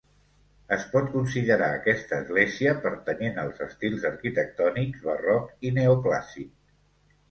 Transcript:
Es pot considerar aquesta església pertanyent als estils arquitectònics, barroc i neoclàssic.